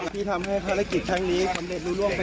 ทีมฮีโร่ทีมนี้กันหน่อยค่ะ